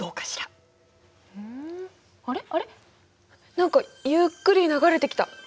何かゆっくり流れてきた。